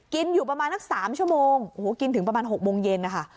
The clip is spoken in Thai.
กินอยู่ประมาณนักสามชั่วโมงกินถึงประมาณหกโมงเย็นค่ะ